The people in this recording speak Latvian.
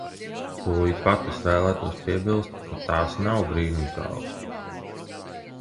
Tūlīt pat es vēlētos piebilst, ka tās nav brīnumzāles.